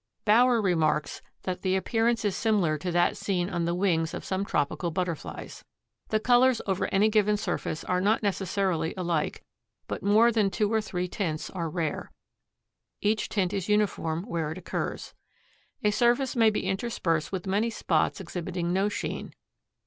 Bauer remarks that the appearance is similar to that seen on the wings of some tropical butterflies. The colors over any given surface are not necessarily alike, but more than two or three tints are rare. Each tint is uniform where it occurs. A surface may be interspersed with many spots exhibiting no sheen.